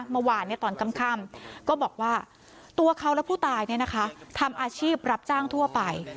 เมื่อวานตอนค่ำก็บอกว่าตัวเขาและผู้ตายทำอาชีพรับจ้างทั่วไป